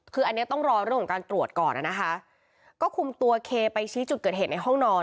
คืออันนี้ต้องรอเรื่องของการตรวจก่อนนะคะก็คุมตัวเคไปชี้จุดเกิดเหตุในห้องนอน